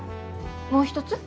もう一つ？